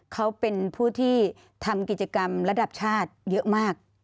เขาเป็นผู้ที่ทำกิจกรรมระดับชาติเยอะมาก